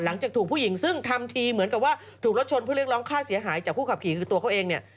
หลังจากถูกผู้หญิงซึ่งทำทีเหมือนกับว่าถูกรถชนเพื่อเรียกร้องค่าเสียหายจากผู้ขับขี่คือตัวเขาเองเนี่ย